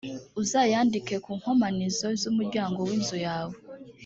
uzayandike ku nkomanizo z’umuryango w’inzu yawe,